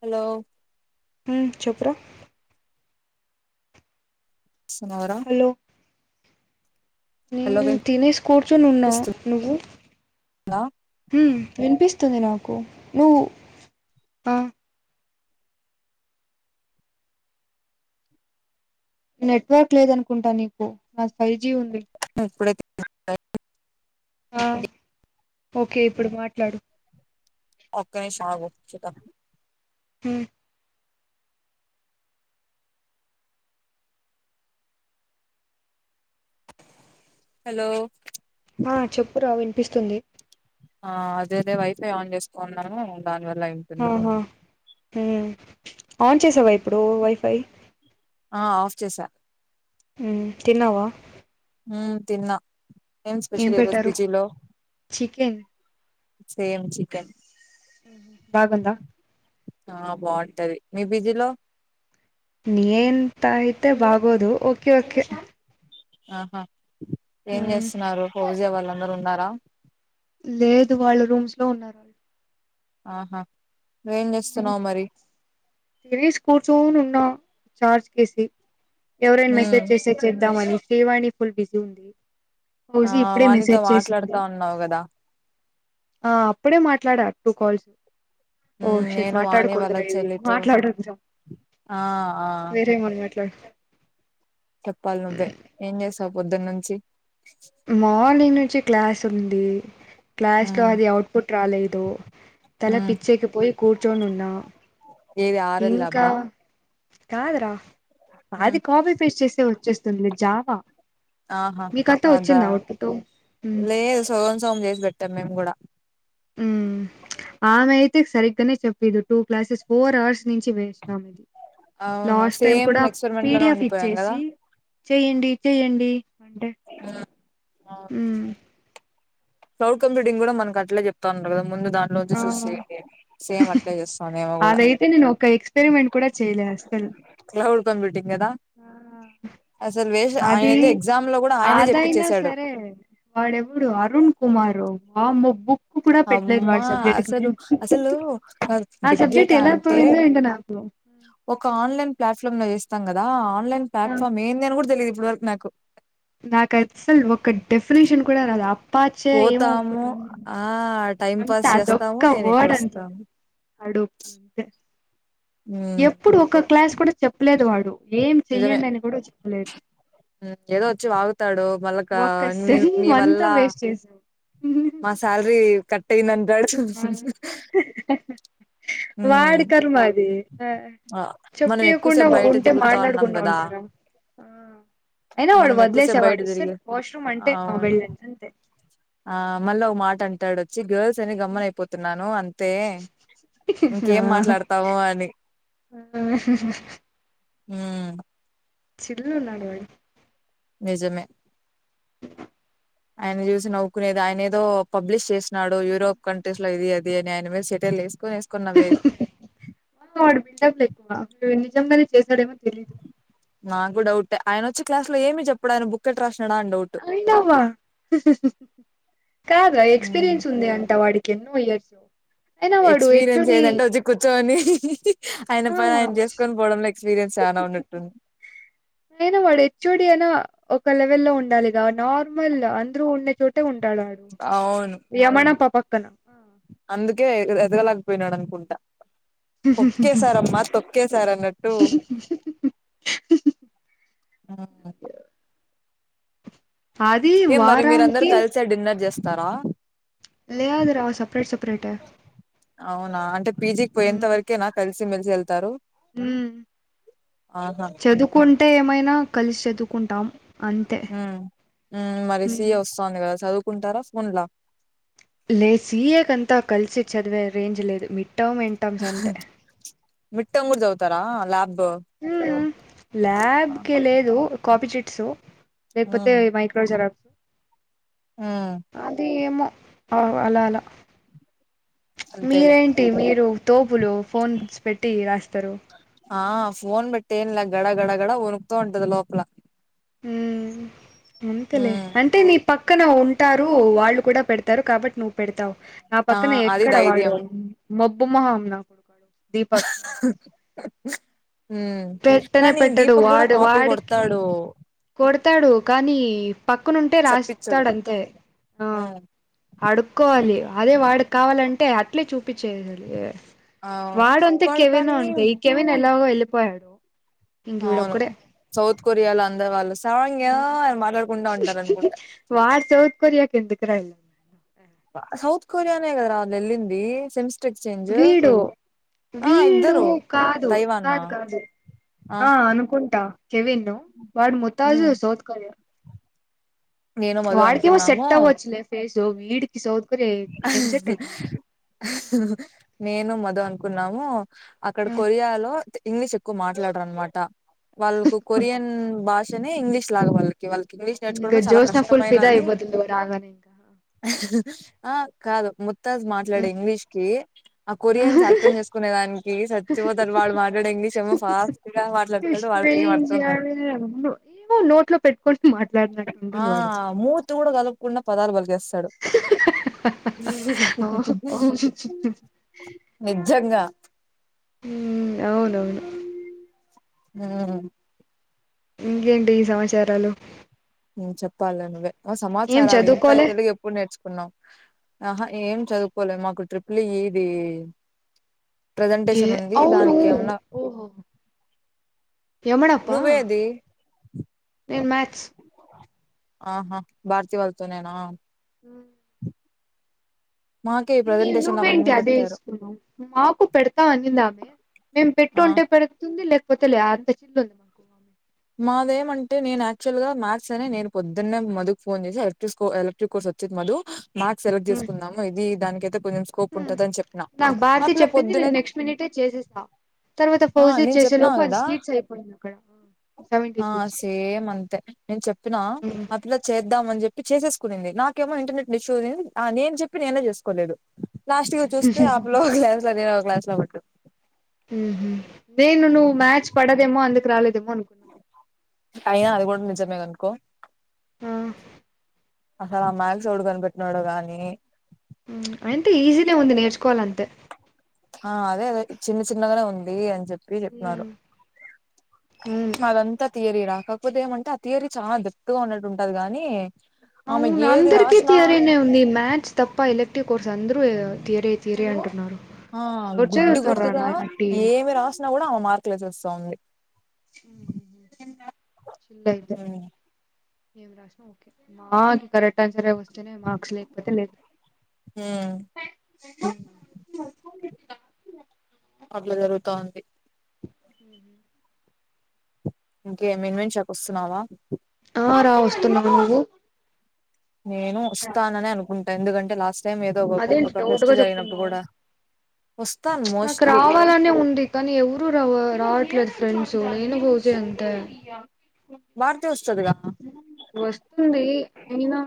Hello హు చెప్పురా ఎంచేస్తున్నావురా, హలో నేను తినేసి కూర్చొని ఉన్నా వినిపిస్తుందా నువ్వు హు వినిపిస్తా, స్తుంది నాకు నువ్వు హ నెట్వర్క్ లేదు అనుకుంటా, నీకు నాది ఫైవ్ జీ ఉంది [unintelligible] ఆ ఓకే ఇప్పుడు మాట్లాడు ఒక్క నిమిషం అగు చూద్దాం హు హలో ఆ చెప్పురా వినిపిస్తుంది. ఆ అదే అదే వైఫై ఆన్ చేసుకున్నాను దానివల్ల అయివుంటుంది. ఆహా హ్మ్ ఆన్ చేసావా ఇప్పుడు వైఫై ఆ ఆఫ్ చేసా ఉ తిన్నావా హు తిన్నా ఏం స్పెషల్ ఈ రోజు పిజీలో, చికెన్ సేమ్ చికెన్ బాగుందా, ఆ బాగుంటది మీ పిజి లో మీఅంతయితే బాగోదు ఓకే ఓకే ఆహా ఏం హ్మ్ చేస్తున్నారు హౌజే వాళ్ళందరు ఉన్నారా, లేదు వాళ్ళు రూమ్స్ లో ఉన్నారు వాళ్లు ఆహా నువ్వేం చేస్తున్నావు, మరి తినేసి కూర్చొని ఉన్న చార్జ్ కేసి ఎవరైనా మెసేజ్ మ్మ్ చేస్తే చేద్దామని, శ్రీవాణి ఫుల్ బిజీ ఉంది. ఆ హౌజీ ఇప్పుడే వాణితో మెసేజ్ చేసింది. మాట్లాడుతా ఉన్నావు కదా ఆ అప్పుడే మాట్లాడ టూ కాల్స్ ఓ మ్మ్ షట్ నేను వాణి వాళ్ళ మాట్లాడుకుడదరా ఇది చెల్లితో మాట్లాడొచ్చా ఆ ఆ వేరే ఎమన్నా మాట్లాడు, [unintelligible] చెప్పాలి నువ్వే ఏం చేసావు, పొద్దున్న నుంచి మంచి క్లాస్ ఉంది క్లాస్ లో ఉమ్ అది ఔట్ పుట్ రాలేదు తల ఉమ్ పిచ్చేకి పోయి కూర్చొని ఉన్నా ఏది ఆర్ ల్ ఆ ఇంకా అబ్బా కాదురా ఉమ్ అది కాపీ పేస్ట్ చేస్తే వచ్చేస్తుంది ఇది జావా ఆహా మీకంతా అదా వచ్చిందా అవుట్పుట్ ఉమ్ లేదు సొగం సొగం చేసి పెట్టాం మేము కూడా ల ఉమ్ ఆమె అయితే సరిగ్గనే చెప్పిదు టూ క్లాసెస్ ఫోర్ అవర్స్ నుంచి వేస్ట్ ఆమెతో అవును లాస్ట్ టైం సేమ్ కూడా ఎక్స్పెరిమెంట్ లోనే పిడిఎఫ్ ఉండిపోయాం కదా ఇచ్చేసి చెయ్యండి, చెయ్యండి అంటే ఆ ఉమ్ క్లౌడ్ కంప్యూటింగ్ కూడా మనకట్లే చెప్తా ఉండ్రి కదా ముందు దానిలోంచి ఆ సూసి సెయండి సేమ్ అట్లే చేస్తాంది ఈమె కూడా అదైతే నేను ఒక ఎక్స్పెరిమెంట్ [unintelligible] క్లౌడ్ గదా అది ఆయనే అదయినా చెప్పిచ్చేసాడు సరే వాడెప్పుడు అరుణ్ కుమార్ ఆ మ్మో బుక్ కూడా పెట్టలేదు అమ్మా వాడి సబ్జెక్ట్ క అసలు నేను అసలు ఆ బిగ్ సబ్జెక్ట్ డేటా ఎలా అంటే పోయిందో ఏంటో నాకు ఒక ఆన్లైన్ ప్లాట్ఫామ్లో చేస్తాం కదా ఆ ఆన్లైన్ ఆ, ప్లాట్ఫామ్ ఏంది అని కూడా తెలియదు ఇప్పుడు వరుకు నాకు నాకు అసలు ఒక డెఫినేషన్ కూడా రాదు అపచే ఏమో పోతాము ఒకటుంది ఆ టైం అంత పాస్ చేస్తాము అదొక వర్డ్ అంతే ఈయనెక్కొస్తాము అడోప్ అంతె మ్మ్ ఎప్పుడు ఒక క్లాస్ కూడా చెప్పలేదు వాడు ఏం నిజమే చెయ్యండి అని కూడా చెప్పలేదు ఏదో వచ్చి వాగుతాడు మళ్ళగా ఒక్క మీ మీ సెమ్ అంతా వల్ల వేస్ట్ చేసాం మా సాలరీ కట్టయింది అంటాడు వాడి కర్మ అది ఆ మనం చెప్పియకుండా ఎక్కువసేపు బయట ఉంటే తిరుగుతా ఉన్నాం మాట్లాడకుండా కదా ఉంటారా అయినా వాడు మనం ఎక్కువసేపు బయట వదిలేసేవాడు సార్ తిరిగి వాష్రూమ్ అంటే ఆ అవును వెళ్ళండి అంతే ఆ మల్లా ఓ మాట అంటాడు వచ్చి గర్ల్స్ అని గమ్మనయిపోతున్నాను అంతే ఆ ఇంకేం మాట్లాడతామో అని ఆ, హ్మ్ చిల్ ఉన్నాడు వాడు నిజమే ఆయన్ని చూసి నవ్వుకునేది ఆయన ఏదో పబ్లిష్ చేసినాడు యూరోప్ కంట్రీస్ లో ఇది అది అని ఆయన మీద సెటైర్లు యేసు వాడు బిల్డప్లు ఎక్కువ నిజంగానే చేస్త డేమో తెలిదు నాకు డౌట్ ఆయన వచ్చి క్లాస్ లో ఏమి చెప్పడు అయన బుక్ ఎట్ట రస్ ఆయనవా కాదు ఎక్స్పీరియన్స్ ఉంది అంట వాడికి కెన్నో ఇయర్స్ అయినా వాడు ఎక్స్పీరియన్స్ హెచ్ఓడి ఏదంటే వచ్చి కూర్చోవని ఆయన ఆ పని ఆయన చేసుకొని పోవడంలో ఎక్స్పీరియన్స్ చాలా ఉన్నట్టుంది అయినా వాడు హెచ్ఓడి అయినా ఒక లెవెల్ లో ఉండాలిగా నార్మల్ అందరూ ఉండే చోటే ఉంటాడు వాడు అవును యమనప పక్కన అందుకే ఎదగలేకపోయినాడు అనుకుంటా తొక్కేసారమ్మా తొక్కేసార్ అన్నట్టు హు హు అది ఏం మరి మీరందరు వారానికి కలిసే డిన్నర్ చేస్తారా లేదురా సపరేట్ సపరేటే అవునా అంటే పీజికి పోయేంత వరకేనా కలిసి మెలిసి ఎళ్తారు హ చదువుకుంటే ఏమైనా కలిసి చదువుకుంటాం అంతే ఉమ్ ఉమ్ మరి ఉమ్. సీఏ వస్తంది కదా చదువుకుంటారా ఫోన్లా లే సీఏ కంతా కలిసి చదివే రేంజ్ లేదు మిట్ విట్టంగూర్ చవతారా ల్యాబ్ ఉమ్ ల్యాబ్కే లేదు కాపీ చిట్స్ లేకపోతే ఉమ్ మైకో గ్జిరోస్ ఉమ్ అది ఏమో అలా అలా అంతేలే మీరేంటి మీరు తోపులు ఫోన్స్ పెట్టి రాస్తారు ఆ ఫోన్ బట్ ఏన ఇ గడ గడ గడ ఉణకుతా ఉంటద లోపల ఉమ్ అంతేలే అంటే నీ పక్క క్కన ఉంటారు వాళ్ళు కూడా పెడతారు కాబట్టి నువ్వు పెడతావు నా ఆ పక్కనే అది ఎక్కడ వాడు ధైర్యం మబ్బు మొహాం నా కొడుకాడు ఉ పెట్టనే కానీ పెట్టడు దీపక్ కూడా వాడు కాఫీ వాడికి కొడతాడు కొడతాడు కానీ పక్కను ఉంటే చెప్పించడు రాస్తాడు అంతే ఆ ఉమ్ అడుక్కోవాలి అదే వాడుకి కావాలంటే చూపి చే అవును వాడు అంత కెవిన కానీ ఉంటంత ఈ కెవన్ ఎలా పోయడు అవును సౌత్ కొరియాల అంద ఉంటారు అనుకుంటా వ సాౌత్ కొరియా ఎందుకు రా సౌత్ కొరియానేే అగదరా అ ఎలింది సెమ్స్ట ఎక్స్చేంజ్ ఆ వీళ ఇద్దరు కాదు తైవాన్నా కాదు కాదు ఆ అనుకుంటా కేవిన్ ను వాళ్ళ ముతాజు ఉమ్ శోధ క నేను మధు వాడకి మా అనుకున్నాము సెట్వ వచ్చలే ఫేస్ వీడికి స నేను మదు అనుకున్నాము అక్కడ కొరియాలో ఇంగ్లీష్ ఎక్కువ మాట్లాడరు అనమాట వాళ్ళకు కొరియన్ భాష ఇంగ్లీష్ లాగవాల వాళ్ళకి ఇంగ్లీష్ ఇంకా నేర్చుకోవడంమే చాలా జోష్న ఫుల్ ఫిదా కష్టమైనని అయిపోతుంది వాడు రాగానే ఇంకా ఆ కాదు మ మాట్లాడే ఇంగ్లీష్ కి ఆ కొరియన్స్ అర్థం చేసుకునే దానికి సచివోధర్ వాళు మాట్లాడే ఇంగ్లీష్ చెమ్మ పా ష్ ఏమో నోట్ లో పెట్టుకని మాట్లా ఉంట వాడ ప కూడా కలుపకుండా పదాలు పలికేస్తాడు నిజంగా ఉమ్ అవునవును ఉమ్ ఇంకేంటి ఈ సమాచారాలు చెప్పాల నువ్వే ఏం సమాచారాలు ఇంత చదువుకోలే తెలుగు ఎప్పుడు నేర్చుకున్నావు ఆహా ఏం చదువుకోలి మాకు ట్రిప్లు ఇది ఏ ప్రజెంటేషన్ ఉంది అవును దానికి ఏమన్నా ఓహ యమనప్పా నువ్వేది నేను మాథస్ ఆహా భారతి వాళతో నేనా ఉమ్ మాకే ఈ నీ ప్రజెంటేషన్లు నువ్వేంటి అవన్నీ అదే పెట్టారు ఇసుకును ను్ మాపు పెడతా అనిందామే మేం పెట్టు ఆ ఉంటే పెడుగుతుంది లేకపోతే లే అంత చిల్ ఉంది మాకుమ్ మాదేమంటే నేను యాక్చువల్గాయాథస్ అని నేను పొదున్ననే మధు్ ఫోన్ చేసి ఎలక్ట్రిక్ ఎలక్ట్రిక్ కోర్స్ వచ్చేది మధు మార్క్స్ సెలెట్ హ్మ్ చేసుకున్నాము ఇది దానికి నాకు ఆ భారతి పిల్ల చెప్పింది పొద్దునే నేను నెక్స్ట్ మినిటే చేసేసా తర్వాత ఆ ఫౌజె నేను చేసే చెప్పినా లోపు అది కదా సీట్స్ అయిపోయింది అక్కడ సెవెంటీ ఆ సీట్స్ సేమ్ అంతే నేను చెప్పినా ఆ పిలా చేద్దాం అని చెప్పి చేసేసుకునింది నాకేమో ఇంటర్నెట్ డిష్యూ అంది ఆ నేను చెప్పి నేనే చేసుకోలేదు లాస్ట్ చూస్తే అబ్బాయి హుహు. ఒక క్లాస్ లో నేను ఒక క్లాసులో ఉన్నాము నేను నువ్వు మ్యాచ్ పడదేమో అందుకు రాలేదేమో అనుకున్నా అయినా అది కూడా నిజమే ఆనుకో ఆ అసలు ఆ మ్యాక్స ఎవడు కనిపెట్టినాడు గానీ అంటే ఈజీనే ఉంది నేర్చుకోవాలంతే ఆ అదే అదే చిన్న చిన్నగానే ఉంది అని చెప్పి ఇది చెప్పారు హ్మ్ హ్మ్ మాదంతా తీయరీ రా కాకపోతే ఏమంటే ఆ తీరి చాలా దట్టుగా ఉన్నట్టు ఉంటది కానీ అవును అందరికే తియారీనే ఉంది మ్యాథ్స్ తప్ప ఎలక్ట్రిక్ కోర్స్ అందరూ తీరే తీరే అంటున్నారు ఆ ఎవరు గుడ్డు చదువుతార్రా గుర్తుగా నాయన టీ ఏమి రాసినా కూడా ఆమె మార్కులు వేసేస్తాంది అంతేనా అంతే ఉమ్, ఆ అది కరెక్ట్ ఆన్సరే వస్తుంది అనే మార్క్స్ లేకపోతే లేదు ఉమ్, అట్లా జరుగుతా ఉంది ఉ ఇంకే మన్ మించకు వస్తున్నావా ఆ రా వస్తున్నావు నువ్వు నేను వస్తానని అనుకుంటాను ఎందుకంటే లాస్ట్ టైం ఏదో ఒక అదేంటి ఒక్క డౌట్ ఫెస్ట్ గా జరిగినప్పుడు చెప్తున్నావు కూడా వస్తాను నాకు మోస్ట్లీ రావాలనే ఉంది కానీ ఎవరు రా రావట్లేదు అదు ఫ్రెండ్సు ఏనుజ అంత భారతి వస్తదిగా వస్తుంది అయినా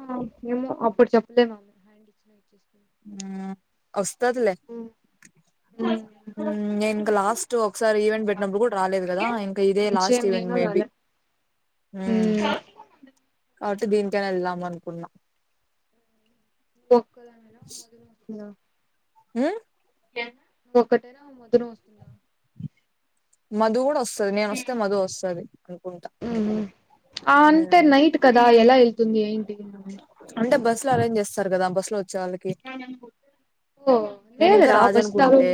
మేము అప్పుడు చెప్పలేము హ్యాండ్ ఇచ్చిన ఇచ్చేస్తుంది ఆ వస్తది లే ఇచ్చేసి నేను ఇంక లాస్ట్ ఒకసారి ఈవెంట్ పెట్టినప్పుడు కూడా రాలేదు కదా ఇంక ఇదే లాస్ట్ ఈవెంట్ అల ఉ కాబట్టి దీనికైనా వెళ్దాం అనుకున్నాం ఒక్క దానివే నా వదిన వస్తుందా ఆ ఒక్క దానివే నా వదిన వస్తుందా మధు కూడా వస్తుది నేన వస్తే మధు వస్తుది అనుకుంటా ఆ అంటే మ్మ్ నైట్ కదా ఎలా వెళ్తుంది ఇంటికి వస్తారు కదా బస్ లో చాలకి ఓ నేను ఇంకా లేదురా రాదు బస్ అనుకుంటే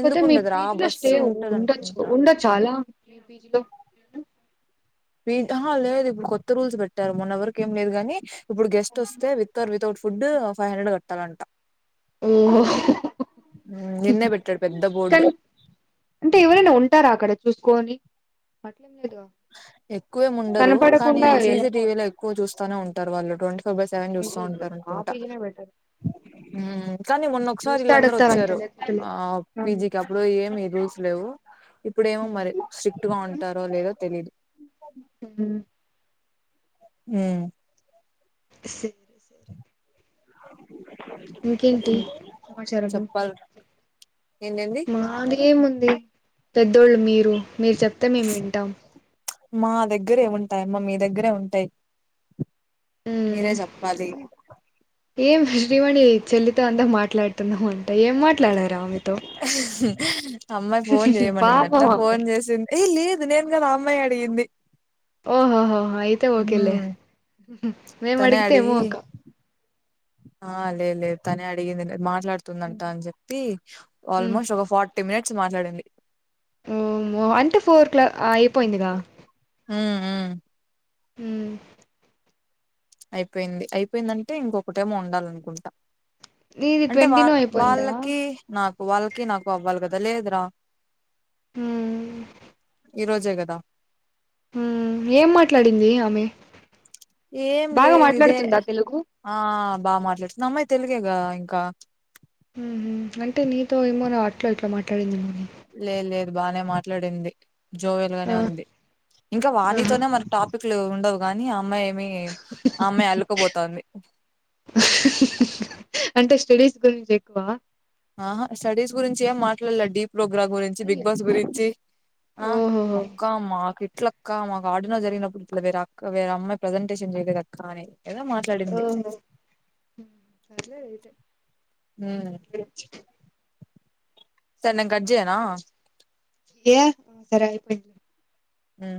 పోతే మీ పీజీలో స్టే బస్సు ఉంటది ఉండొచ్చు అనుకుంటా ఉండొచ్చులా పీజీలో లేదు ఇప్పుడు కొత్త రూల్స్ పెట్టారు మొన్న ఎవరిక ఏం లేదు గాని ఇప్పుడు గెస్ట్ వస్తే విత్ర్ వితౌట్ ఫుడ్ ఫైవ్ హండ్రెడ్ కట్టాలంట ఓహో నిన్నే పెట్టాడు పెద్ద బోర్డు కానీ అంటే ఎవరైనా ఉంటారా అక్కడ చూసుకొని ప దీ ఎక్కువే ఉండరు కానీ కనపడకుండా సీసీటివీలో వెళ్ళిపోవచ్చు ఎక్కువ చూస్తానే ఉంటారు వాళ్ళటుంటి సోబర్ సవన్ చూస్తా పీజీలో ఉంటారు మా అనుకుంటా పీజీనే బెటర్ కానీ మొన్న ఒకసారి చూస్తే వీళ్ళందరూ అడుగుతారంతే వచ్చారు లేకపోతే ఆ లేదు పీజికి ఉమ్ అప్పుడు ఏమి రూల్స్ లే వూ ఇప్పుడేమో మరి స్ట్రిట్ గా ఉంటారో లేదో తెలీద్ ఉమ్ హ్మ్ [inaudible] ఇంకేంటి సమాచారాము చెప్పాలి ఏంటండి మాదేముంది పెద్దోళ్ళు మీరు మీరు చెప్తే మేమ్ వింటాం మా దగ్గరే ఎమ్ ఉంటాయమ్మ మీ దగ్గరే ఉంటైయి మ్మ్ మీరే జప్పాలి ఏం మే [unintelligible] శ్రీవాణి చెల్లితో అంత మాట్లాడ్ తున్నావంట ఏం మాట్లాడారు ఆమెతో అమ్మాయి ఫోన్ పాపం చేయమనిందంతా ఆమె ఫోన్ చేసింది ఏ లేదు నేను కదా అమ్మాయి అడిగింది ఓహోహోహ అయితే ఓకేలే హ్మ్ మేము తనే అడిగితే ఏమో అడిగి అక్క ఆ లేే లే తనే అడిగింద్ గ్ మార్ మాట్లాడ్ తుందంట అని చెప్పి ఆల్ మ్మ్ మోస్ట్ ఒక ఫార్టీ మినిట్స్ మాట్లాడింది ఓ మో అంటే ఫోర్ క్లాక్ ఆ అయిపోయిందిగా ఉహ్ ఉమ్ అయిపెంది అయిపెందంటే ఇంకొకటేమో ఉండాలనుకుంటా నీది అంటే ట్వంటీనో వార్ అయిపోయిందా వాళ్ళకి నాక్ వాల్ కి నాకు అవ్వాలి కదా లేదురా ఉమ్మ్ ఈ రోజే గదా హ్మ్ ఏం మాట్లాడింది ఆమె ఏం బాగా లేద్ ఇదే మాట్లాడుతుందా తెలుగు ఆమ్ బా మాట్లాడ్ తు అమ్మాయి తెలుగేగా ఇంకా హుమ్ అంటే నీతో ఏమోరా అట్ల ఇట్లా మాట్లాడిందేమోలే లే లేదు బానే మాట్లాడింది జోయల్ గానే ఆ! ఉంది ఇంకా ఆహా! వాణితోనే మనక్ టాపిక్లు ఉండవు కాని అమ్మాయి మీయిమ్ ఆ అమ్మాయి అల్లుకపోతంది అంటే స్టడీస్ గురించ్ ఎక్కువ ఆహ స్టడీస్ గురూంచ్ ఏం మాట్లాడలే డిప్ ప్రోగ్రామ్ గురించి బిగ్ బాస్ గురించి ఆ ఓహోహో! అక్క మాక్ ఇ ఇట్లక్క మాక్ ఆడినర్ జరిగినప్ వేరే అక్క వేరే అమ్మాయి ప్రజెంటేషన్ జెయిలేదక్క అని ఏదో మాట్లాడింది ఓహో! సర్లే అయితే. హ్మ్ సర్ నేన్ కడ్ జేయనా ఏ సరే అయిపె ఉమ్